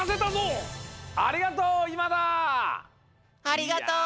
ありがとう！